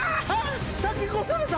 先越された！